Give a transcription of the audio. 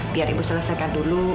biar ibu selesaikan dulu